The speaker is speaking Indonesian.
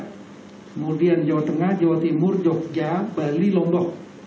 kemudian jawa tengah jawa timur jogja bali lombok